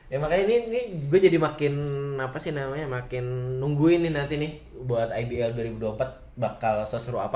ya makanya ini gue jadi makin apa sih namanya makin nungguin ini nanti nih buat ibl dua ribu dua puluh empat bakal seseru apa